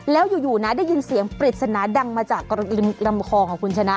แล้วอยู่นะได้ยินเสียงปริศนาดังมาจากลำคอของคุณชนะ